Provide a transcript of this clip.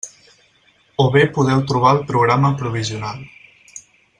O bé podeu trobar el programa provisional.